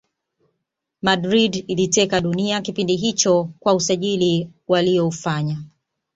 Madrid iliteka dunia kipindi hicho kwa usajiri waliyoufanya